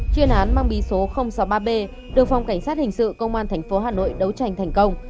chuyên án mang bí số sáu mươi ba b được phòng cảnh sát hình sự công an tp hà nội đấu tranh thành công